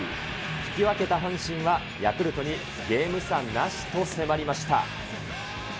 引き分けた阪神は、ヤクルトにゲーム差なしと迫りました。